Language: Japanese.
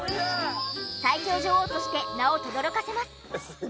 最強女王として名をとどろかせます。